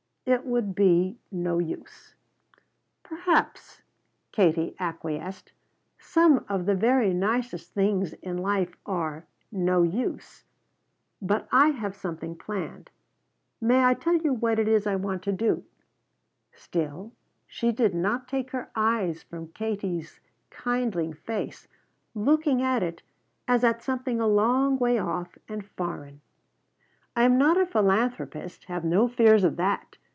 "It would be no use." "Perhaps," Katie acquiesced. "Some of the very nicest things in life are no use. But I have something planned. May I tell you what it is I want to do?" Still she did not take her eyes from Katie's kindling face, looking at it as at something a long way off and foreign. "I am not a philanthropist, have no fears of that.